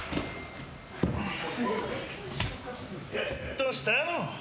どうしたの？